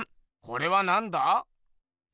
これはなんだ？